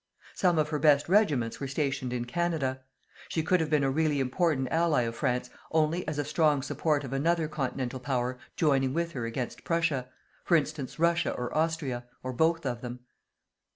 Some of her best regiments were stationed in Canada. She could have been a really important ally of France only as a strong support of another continental power joining with her against Prussia, for instance Russia or Austria, or both of them.